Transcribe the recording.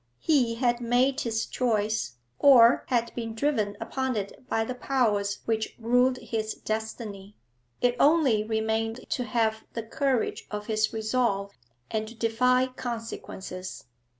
He had made his choice, or had been driven upon it by the powers which ruled his destiny; it only remained to have the courage of his resolve and to defy consequences.